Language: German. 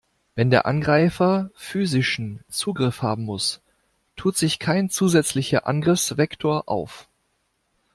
Wenn der Angreifer physischen Zugriff haben muss, tut sich kein zusätzlicher Angriffsvektor auf.